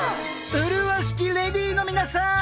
麗しきレディーの皆さん！